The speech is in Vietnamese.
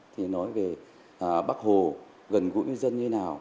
thì nói về bác hồ gần gũi với dân như thế nào